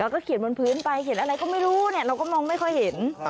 แล้วก็เขียนบนพื้นไปเขียนอะไรก็ไม่รู้เนี่ยเราก็มองไม่ค่อยเห็น